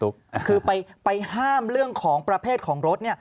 คือไปห้ามเรื่องของประเภทของรถ